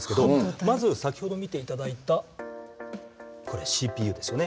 まず先ほど見ていただいたこれＣＰＵですよね。